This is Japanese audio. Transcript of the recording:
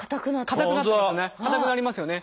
硬くなりますよね。